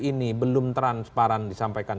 ini belum transparan disampaikan